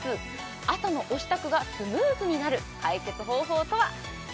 朝のお支度がスムーズになる解決方法とは？